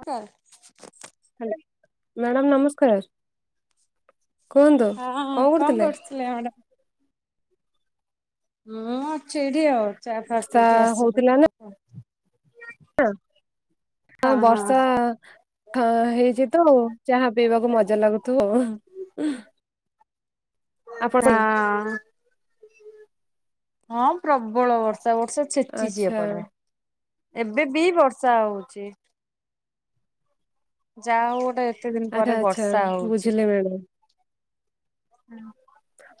ହ hello madam ନମସ୍କାର। ହଁ କଣ କରୁଥିଲେ ମଡ ହୁଁ ଅଛି ଏଠି ଆଉ। ଚା ଫା ପିଇକି ଆସିଲୁ। ହଁ ହଁ ବର୍ଷା ହେଇଛି। [unintelligible] ଚାହା ପିଇବାକୁ ମଜା ଲାଗୁଥିବ। ଆପଣ ପାଇଁ ହଁ। ହଁ ପ୍ରବଳ ବର୍ଷ ବର୍ଷ ଛେଚିଚି ଆଚ୍ଛା ଏପଟେ। ଏବେ ବି ବର୍ଷା ହଉଚି। ଯା ହଉ ଗୋଟେ। ଏତେ ଦିନ ପରେ ଆଛା ଆଚ୍ଛା ବର୍ଷା ହଉଛି। ବୁଝିଲେ ମ୍ୟାଡାମ।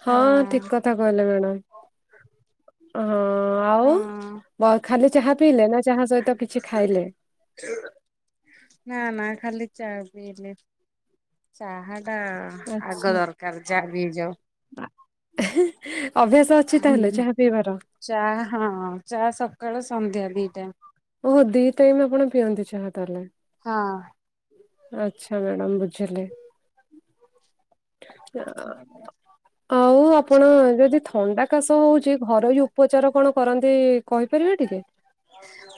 ହଁ ଠିକ କଥା କହିଲେ ମ୍ୟାଡାମ। ହଁ। ହଁ ଆଉ ଖାଲି ଚାହା। ପିଇଲେ ନା ଚାହା ସହିତ କିଛି ଖାଇଲେ? ନା ନା ଖାଲି ଚା ପିଇଲି ଚାହା ଚା ଆଗ ଆଚ୍ଛା ଦରକାର ଯା ବି ଯାଉ। [unintelligible] ଅଛି ହ ତାହେଲେ ଚାହା ପିଇବାର ଚା ହଁ ଚା ସବ ସକାଳ ସନ୍ଧ୍ୟା ଦଇଟା। ଓହୋ ଦି ଟାଇମ୍ ଆପଣ ପିଅନ୍ତି ଚାହା ତାହେଲେ। ହଁ। ଆଛା ମ୍ୟାଡାମ ବୁଝିଲି। [unintelligible] ଆଉ ଆପଣ ଯଦି ଥଣ୍ଡା କାଶ ହଉଛି ଘରୋଇ ଉପଚାର କଣ କରନ୍ତି? କହିପାରିବାେ ଟିକେ?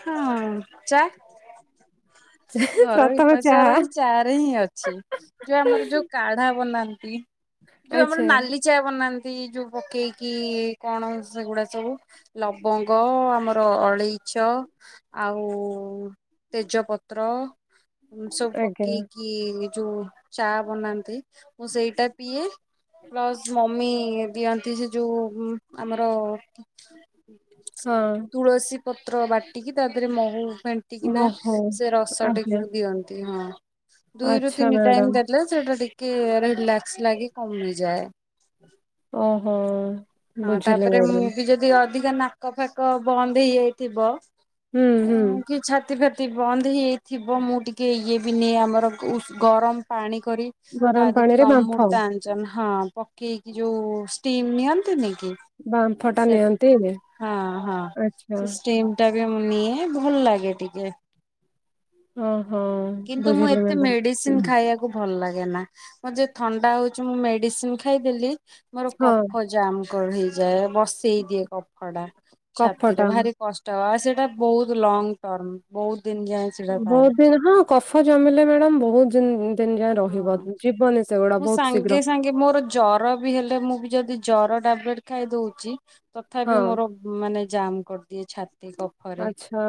ହଁ ଚା ଘରୋଇ ପ୍ରଥମେ ଚାହା ଉପାଚାର ବି ଚାରେ ହିଁ ଅଛି ଯୋଉ ଆମର ଯୋଉ କାଢା ବନାନ୍ତି। ଯୋଉ ଆମର ଆଚ୍ଛା ନାଲି ଚା ବନାନ୍ତି। ସେ ଯୋଉ ପକେଇକି କଣ ସେଗୁଡା ସବୁ ଲବଙ୍ଗ ଆମର ଅଳେଇଚ ଆଉ ତେଜପତ୍ର। [unintelligible] ସବୁ ଆଜ୍ଞା ପକେଇ କିି ଯୋଉ ଚା ବୁନାନ୍ତି ମୁଁ ସେଇଟା ପିଏ ପ୍ଲସ ମମି ବି ଆନ୍ତି ସେ ଯଉ ଆମର ହଁ ତୁଳସୀ ପତ୍ର ବାଟିକି ତା ଦେହରେ ମହୁ ପଣ୍ଟିକନା ଓହୋ। ସେ ଆଜ୍ଞା ରସଟିକୁ ଦିଅନ୍ତି ହଁ। ଦୁଇରୁ ଆଚ୍ଛା ତିନି ଟାଇମ ମ୍ୟାଡାମ ଦେଲେ ସେଟା ଟିକେ ରିଲାସ ଲାଗେ କମି ଯାଏ। ଓହୋ। ହଁ ବୁଝିଲି ତାପରେ ମ୍ୟାଡାମ। ମୁଁ ବି ଯଦି ଅଧିକ ନାକ ଫାକ ବନ୍ଦ ହେଇଯାଇଥିବ। ହୁଁ ହୁଁ। ସେତପତି ବନ୍ଦ ହେଇଥିବ ମୁଁ ଟିକେ ଇଏ ବି ନେଇ ଆମର ଗରମ ପାଣି କରି ତା ଗରମ ଦେହରେ ପାଣିରେ ଟିକେ ବାମ୍ଫ ଅମୃତା ଆଜନ ହଁ। ପକେଇକି ଯୋଉ ଷ୍ଟିମ୍ ନିଅନ ତ ନେଇ ବାମ୍ଫଟା ନିଅନ୍ତି ଆଛା। ମୁ ନିଏ ଭଲ ଲାଗେ ଟିକେ ହଁ। କିନ୍ତୁ ମୁଁ ଏତେ ମେଡିସିନ ଖାଇବାକୁ ଭଲ ଲାଗେ ନା। ମୋ ଯ ଥଣ୍ଡା ହଉଛି ମୁଁ ମେଡିସିନ ଖାଇଦେଲି ମୋର ହଁ କଫ ଜାମ କଢ଼ି ଯଏ। ବସେଇ ଦିଏ କଫ ଟା କଫଟା ଛାତିରେ ଭାରି କଷ୍ଟ ସେଟା ବହୁତ ଲଙ୍ଗ ଟର୍ମ ବହୁତ ଦିନ ଯାଏ ସେଇଟା ବହୁ ଥାଏ। ଦିନ ହଁ। କଫ ଜମିଲେ ମ୍ୟାଡ଼ମ୍ ବହୁତ ଜ ହଁ ମୁଁ ଶୀଘ୍ର ସାଙ୍ଗେ ସାଙ୍ଗେ ମୋର ଜର ବି ହେଲେ ମୁଁ ବି ଯଦି ଜର ଟାବଲେଟ ଖାଇ ଦଉଛି। ହଁ। ତଥାପି ମୋର ମାନେ ଜମ୍ କରିଦି ଛାତ କଫରେ ଆଚ୍ଛା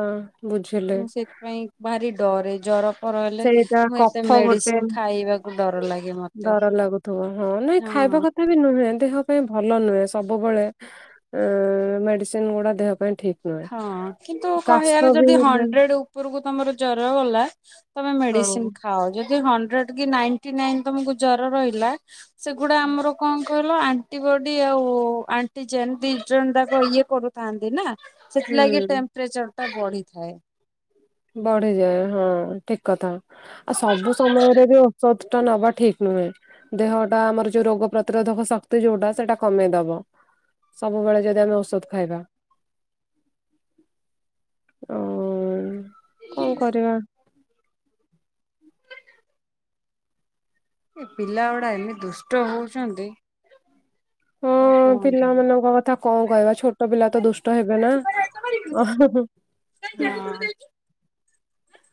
ବୁଝିଲି ମୁ ସେଥିପାଇଁ ଭାରି ଡରେ ଜୋରପ ହେଲେ ସେଇଟା ମୁଁ ଏତେ କଫ ଗୋଟେ ମେଡିସିନ ଖାଇବାକୁ ଡର ଲାଗେ ମତେ ଡର ଲାଗୁଥିବ ହଁ ନାଇଁ ଖାଇବା ହଁ। କଥା ବି ନୁହେଁ ଦେହ ପାଇଁ ଭଲ ନୁହେଁ ସବୁବେଳେ ସେନଗୁଡା ଦେହ ପାଇଁ ଠିକ ନୁହେଁ ହଁ କିନ୍ତୁ କାଶ କହିବାର ବି ଯଦି ହେଲେ ହଣ୍ଡ୍ରେଡ ଉପରକୁ ତମର ଜର ଗଲା ତମେ ହଁ ମେଡିସିନ ଖାଅ ଯଦି ହ- ଯଦି ନାଇଣ୍ଟି ନାଇନ ତମକୁ ଜର ରହିଲା ସେଗୁଡା ଆମର କଣ? କହିଲ ଆଣ୍ଟିବଡି ଆଉ ଆଣ୍ଟିଜେନ ଦିଜନ୍ ଯାକ ଇଏ କରୁଥାନ୍ତି ନା। ସେଥିଲାଗି ହୁଁ ଟେମ୍ପରେଚର ବଢିଥାଏ। ବଢିଯାଏ ହଁ ଠିକ କଥା। ଆଉ ସବୁ ସମୟରେ ବି ଔଷଧ ନବା ଠିକ ନୁହେଁ ଦେହଟା ଆମର ଯୋଉ ରୋଗ ପ୍ରତିରୋଧକ ଶକ୍ତି ଯୋଉଟା ସେଇଟା କମେଇ ଦବ ସବୁବେଳେ ଯଦି ଆମେ ଔଷଧ ଖାଇବା ଓ କଣ କରିବା। ଏ ପିଲା ଗୁଡା ଏମିତି ଦୁଷ୍ଟ ହଉଛନ୍ତି। ହଁ ଆଉ କୁହନ୍ତୁନି ପିଲାମାନଙ୍କ କଥା କଣ କହିବା ଛୋଟ ପିଲା ତ ଦୁଷ୍ଟ ହେବେ ନା।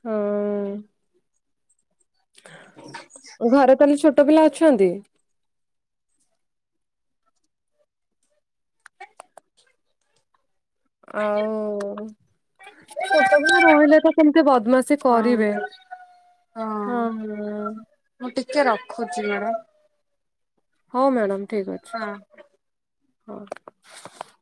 ହଁ। ଘରେ ତାହେଲେ ଛୋଟ ଛୋଟ ପିଲା ଅଛନ୍ତି। ଆଉ ଛୋଟ ପିଲା ରହିଲେ ତ କେମିତି ବଦମାସି ହଁ। କରିବେ ହଁ ହଁ। ମୁଁ ଟିକେ ରଖୁଛି ମ୍ୟାଡ଼ାମ। ହଉ ମ୍ୟାଡ଼ମ୍। ଠିକ ଅଛି। ହଁ।